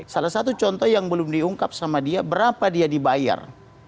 salah satu contoh yang belum diungkap sama dia berapa dia dibayar